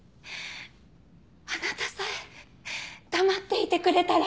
あなたさえ黙っていてくれたら。